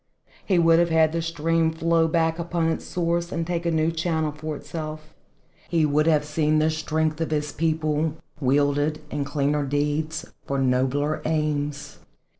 He would have had the stream flow back upon its source and take a new channel for itself, he would have seen the strength of his people wielded in cleaner deeds for nobler aims.